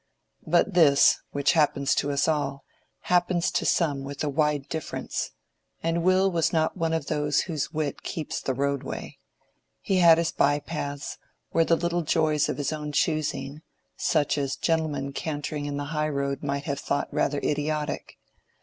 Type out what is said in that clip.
But this, which happens to us all, happens to some with a wide difference; and Will was not one of those whose wit "keeps the roadway:" he had his bypaths where there were little joys of his own choosing, such as gentlemen cantering on the highroad might have thought rather idiotic.